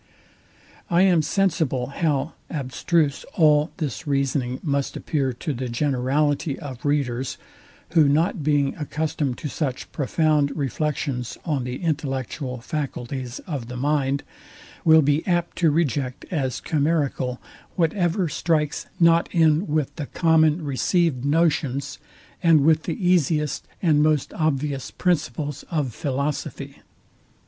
I am sensible how abstruse all this reasoning must appear to the generality of readers, who not being accustomed to such profound reflections on the intellectual faculties of the mind, will be apt to reject as chimerical whatever strikes not in with the common received notions, and with the easiest and most obvious principles of philosophy.